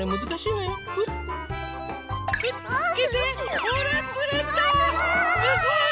わすごい！